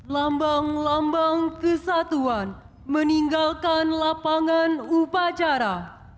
lambang lambang kesatuan meninggalkan lapangan upacara